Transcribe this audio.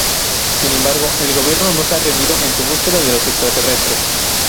Sin embargo, el gobierno no se ha rendido en su búsqueda de los extraterrestres.